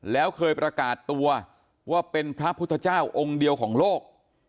แล้วเคยประกาศตัวว่าเป็นพระพุทธเจ้าองค์เดียวของโลก